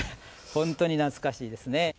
ほんとに懐かしいですね。